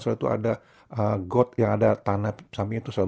saudara itu ada got yang ada tanah